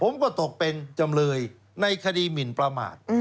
ผมก็ตกเป็นจำเลยในคดีหมินประมาท